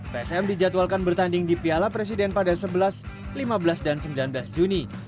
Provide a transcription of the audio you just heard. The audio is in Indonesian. psm dijadwalkan bertanding di piala presiden pada sebelas lima belas dan sembilan belas juni